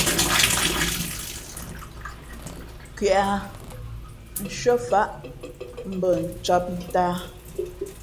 Kweʼ ī tα nshʉ́ά faʼá ncām mbα ncām ntāā.